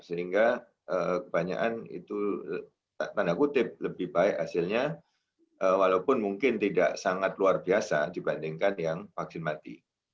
sehingga kebanyakan itu tanda kutip lebih baik hasilnya walaupun mungkin tidak sangat luar biasa dibandingkan yang vaksin mati